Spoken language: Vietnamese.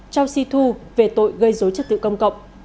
châu si thu về tội gây dối trật tự công cộng